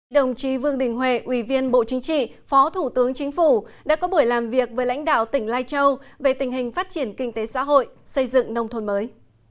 đồng chí vương đình huệ ủy viên bộ chính trị phó thủ tướng chính phủ đã có buổi làm việc với lãnh đạo tỉnh lai châu về tình hình phát triển kinh tế xã hội xây dựng nông thôn mới